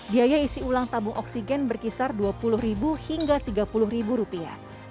biaya isi ulang tabung oksigen berkisar dua puluh hingga tiga puluh rupiah